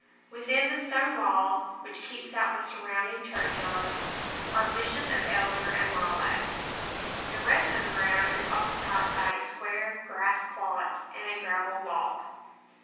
Within the stone wall, which keeps out the surrounding churchyard, are bushes of elder and lilac; the rest of the ground is occupied by a square grass plot and a gravel walk.